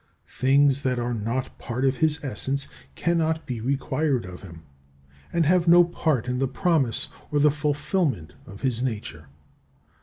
Things that are not part of his essence cannot be required of him, and have no part in the promise or the fulfilment of his nature.